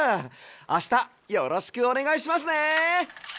あしたよろしくおねがいしますね。